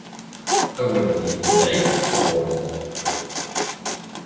A wer d-yekk lɛib sɣur-i!